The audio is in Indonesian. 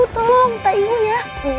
tolong kak ibu ya